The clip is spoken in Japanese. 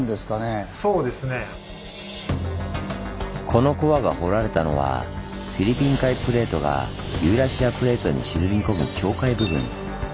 このコアが掘られたのはフィリピン海プレートがユーラシアプレートに沈み込む境界部分。